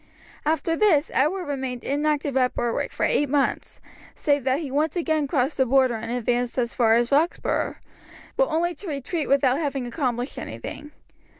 After this Edward remained inactive at Berwick for eight months, save that he once again crossed the Border and advanced as far as Roxburgh, but only to retreat without having accomplished anything.